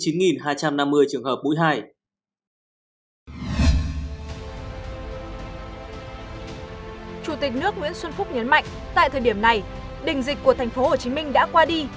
chủ tịch nước nguyễn xuân phúc nhấn mạnh tại thời điểm này đỉnh dịch của tp hcm đã qua đi